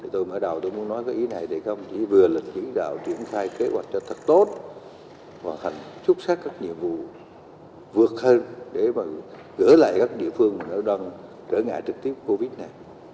tôi mở đầu tôi muốn nói cái ý này thì không chỉ vừa là chỉ đạo triển khai kế hoạch cho thật tốt hoàn hảo xuất sắc các nhiệm vụ vượt hơn để mà gửi lại các địa phương đang trở ngại trực tiếp covid này